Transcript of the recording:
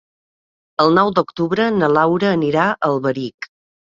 El nou d'octubre na Laura anirà a Alberic.